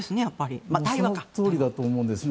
そのとおりだと思うんですね。